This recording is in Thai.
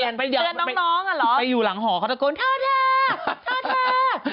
นักเรียนน้องอ่ะเหรอไปอยู่หลังหอเขาตะโกนท่าท่าท่า